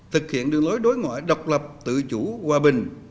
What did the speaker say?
thực hiện đường lối đối ngoại độc lập tự chủ hòa bình